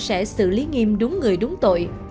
sẽ xử lý nghiêm đúng người đúng tội